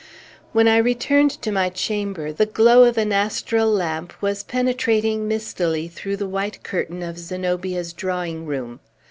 When I returned to my chamber, the glow of an astral lamp was penetrating mistily through the white curtain of Zenobia's drawing room.